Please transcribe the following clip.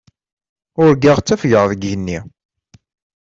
Urgaɣ ttafgeɣ deg yigenni.